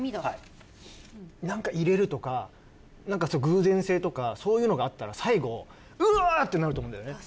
なんか入れるとかなんか偶然性とかそういうのがあったら最後うわー！ってなると思うんだよね。